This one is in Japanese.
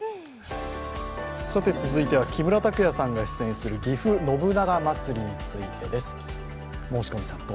続いては木村拓也さんが出演するぎふ信長まつりについてです。